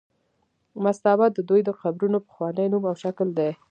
مستابه د دوی د قبرونو پخوانی نوم او شکل دی.